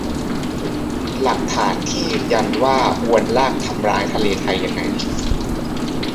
หลักฐานที่ยืนยันว่าอวนลากทำร้ายทำลายทะเลไทยยังไง